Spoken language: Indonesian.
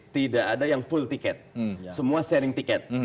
tidak ada yang full tiket semua sharing tiket